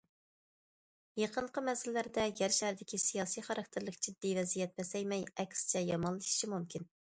يېقىنقى مەزگىللەردە يەر شارىدىكى سىياسىي خاراكتېرلىك جىددىي ۋەزىيەت پەسەيمەي، ئەكسىچە يامانلىشىشى مۇمكىن.